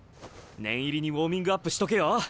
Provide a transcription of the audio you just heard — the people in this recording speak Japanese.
念入りにウォーミングアップしとけよ。